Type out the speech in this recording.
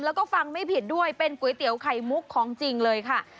แล้วก็ฟังไม่ผิดด้วยเป็นก๋วยเตี๋ยวไข่มุกของจริงเลยค่ะ